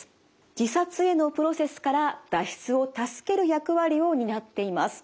自殺へのプロセスから脱出を助ける役割を担っています。